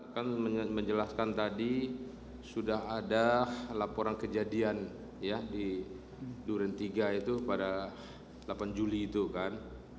kan menjelaskan tadi sudah ada laporan kejadian ya di duren tiga itu pada delapan juli itu kan